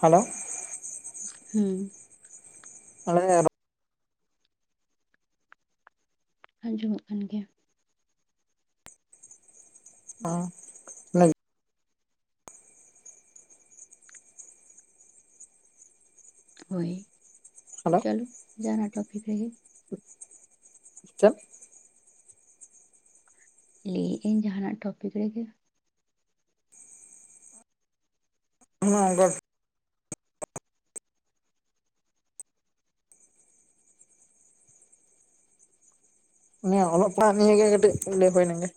Hello ᱦᱩᱸ ᱟᱮ [unintelligible] ᱟᱸᱡᱚᱢᱚᱜ ᱠᱟᱱ ᱜᱮᱭᱟ? ᱚᱸ ᱦᱳᱭ ᱦᱮᱞᱳ ᱪᱚᱞᱩ ᱡᱟᱦᱱᱟᱜ ᱴᱚᱯᱤᱠ ᱨᱮᱜᱮ ᱪᱮᱫ? ᱞᱟᱹᱭᱮᱫ ᱟᱹᱧ ᱡᱟᱦᱱᱟᱜ ᱴᱚᱯᱤᱠ ᱨᱮᱜᱮ ᱦᱮ ᱜ [unintelligible] ᱱᱤᱭᱟᱹ ᱚᱞᱚᱜ ᱯᱟᱲᱦᱟᱜ ᱱᱤᱭᱟᱹᱜ ᱜᱮ ᱠᱟᱹᱴᱤᱡ ᱞᱟᱹᱭ [unintelligible] ᱦᱩᱭ ᱞᱮᱝ ᱜᱮ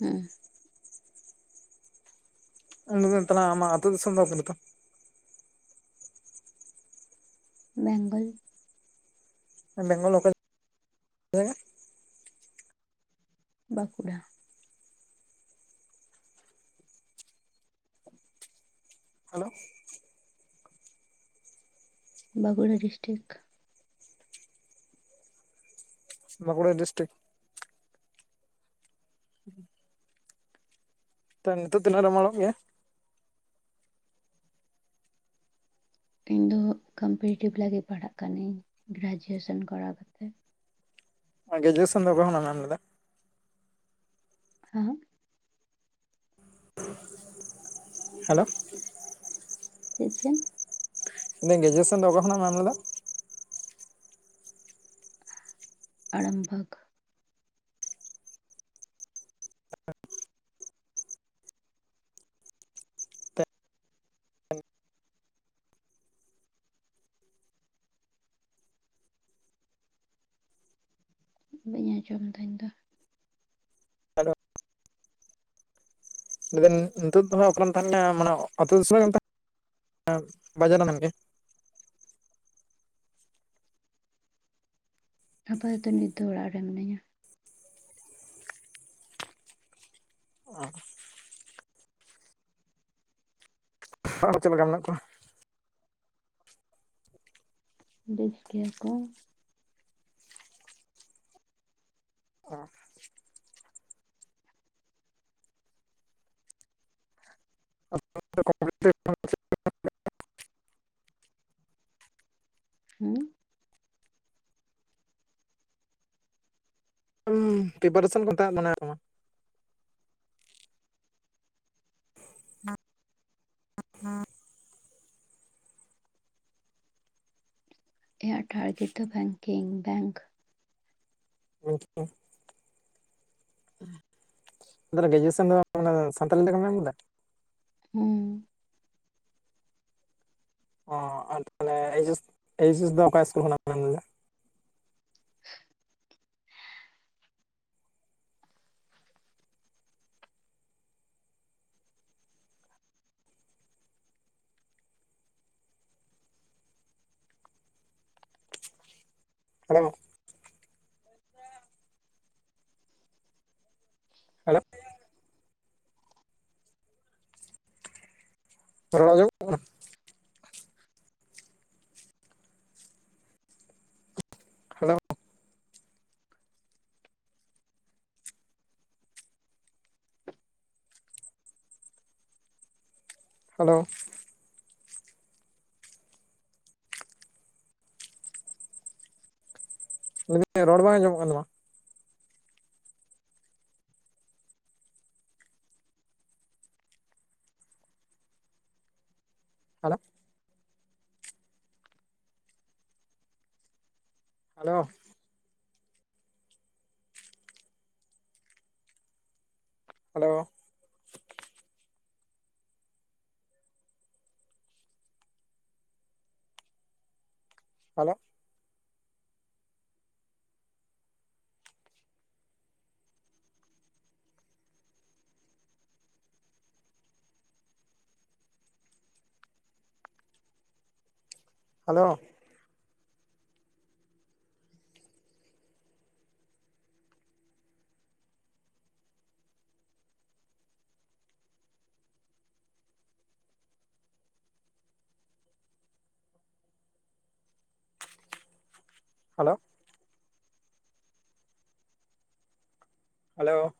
ᱦᱩᱸ᱾ [unintelligible] ᱟᱢᱟᱜ ᱟᱛᱩ ᱫᱤᱥᱚᱢ ᱫᱚ ᱚᱠᱟ ᱨᱮ ᱛᱟᱢ? ᱵᱮᱝᱜᱚᱞ᱾ ᱵᱮᱝᱜᱚᱞ ᱚᱠᱟ ᱨᱮ Bankura. [inaudible] Hello! Bankura district. Bankura district? ᱛᱚ ᱱᱤᱛᱳ ᱛᱚᱱᱟᱹᱜ ᱨᱮᱢ ᱚᱞᱚᱜ ᱜᱮᱭᱟ? ᱤᱧ ᱫᱚ ᱠᱚᱢᱯᱤᱴᱤᱮᱴᱤᱵᱽ ᱞᱟᱹᱜᱤᱫ ᱯᱟᱲᱦᱟᱜ ᱠᱟᱱᱟᱧ᱾ ᱜᱨᱮᱡᱩᱭᱮᱥᱚᱱ ᱠᱚᱨᱟᱣ ᱠᱟᱛᱮ᱾ ᱟᱠᱚ ᱨᱜᱨᱮᱡᱩᱭᱮᱥᱚᱱ ᱫᱚ ᱚᱠᱟ ᱠᱷᱚᱱᱟᱜᱼᱮᱢ ᱮᱢ ᱞᱮᱫᱟ? ᱟᱢ? [inaudible] ᱦᱟᱞᱳ ᱪᱮᱫ ᱪᱚᱝ? ᱢᱮᱱ ᱤᱜᱼᱟᱹᱧ ᱡᱮ ᱜᱨᱮᱡᱩᱭᱮᱥᱚᱱ ᱫᱚ ᱚᱠᱟ ᱠᱷᱚᱱᱟᱜᱼᱮᱢ ᱮᱢ ᱞᱮᱫᱟ? ᱟᱲᱟᱢᱵᱟᱹᱜᱽ᱾ ᱵᱟᱹᱧ ᱟᱸᱡᱚᱢ ᱫᱟᱹᱧ ᱫᱚ? ᱦᱮᱞᱳ! ᱡᱮᱢᱚᱱ ᱱᱤᱛᱚᱜ ᱫᱚ ᱦᱟᱸᱜ ᱚᱠᱟᱨᱮᱢ ᱛᱟᱦᱮᱱ ᱠᱟᱱᱟ? ᱢᱟᱱᱮ ᱟᱹᱛᱩ ᱫᱤᱥᱚᱢ ᱨᱤᱜᱮᱢ ᱛᱟᱦᱮ ᱠᱟᱱᱟ? [unintelligible] ᱵᱟᱡᱟᱨᱮᱢ ᱢᱮᱱ ᱠᱮᱜᱼᱟ? ᱦᱟᱯᱟ ᱛᱚ ᱟᱫᱚ ᱱᱤᱛ ᱫᱚ ᱚᱲᱟᱜ ᱨᱮ ᱢᱤᱱᱟᱹᱧᱟ᱾ ᱚᱸ ᱚᱲᱟᱜ ᱨᱮ ᱪᱮᱫ ᱞᱮᱠᱟ ᱢᱮᱱᱟᱜ ᱠᱚᱣᱟ? ᱵᱮᱥ ᱜᱮᱭᱟ ᱠᱚ? ᱚᱸ [unintelligible] ᱦᱩᱸ? ᱯᱨᱤᱯᱟᱨᱮᱥᱚᱱ ᱠᱚ ᱛᱟᱦᱮᱸᱫ ᱵᱟᱱᱟᱭᱟ ᱛᱟᱢᱟ? [unintelligible] ᱤᱧᱟᱹᱜ ᱴᱟᱨᱜᱮᱴ ᱫᱚ ᱵᱮᱝᱠᱤᱝ ᱵᱮᱝᱠ᱾ [unintelligible] ᱢᱟᱱᱮ ᱜᱮᱨᱡᱩᱭᱩᱮᱥᱚᱱ ᱫᱚ ᱥᱟᱱᱛᱟᱞᱤ ᱛᱮᱠᱚᱢ ᱮᱢ ᱞᱮᱫᱟ? ᱦᱩᱸ ᱚ ᱛᱟᱦᱞᱮ ᱮᱪ ᱮᱥ ᱫᱚ ᱮᱪ ᱮᱥ ᱫᱚ ᱚᱠᱟ ᱤᱥᱠᱩᱞ ᱠᱷᱚᱱᱟᱜ ᱮᱢ ᱮᱢ ᱞᱮᱫᱟ? [inaudible] ᱦᱮᱞᱳ ᱦᱮᱞᱳ ᱨᱚᱲ ᱟᱡᱚᱢ ᱦᱟᱞᱳ ᱦᱟᱞᱳ ᱞᱟᱹᱭ ᱫᱟᱹᱧ ᱨᱚᱲ ᱵᱟᱝ ᱟᱸᱡᱚᱢᱚᱜ ᱠᱟᱱ ᱛᱟᱢᱟ, hello hello hello hello hello hello hello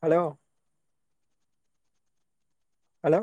hello hello